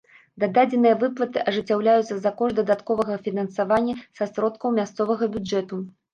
Дадзеныя выплаты ажыццяўляюцца за кошт дадатковага фінансавання са сродкаў мясцовага бюджэту.